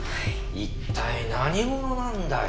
一体何者なんだよ。